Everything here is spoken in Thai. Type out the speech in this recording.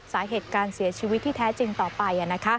สาเหตุการเสียชีวิตที่แท้จริงต่อไป